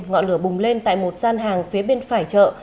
ngọn lửa bùng lên tại một gian hàng phía bên phải chợ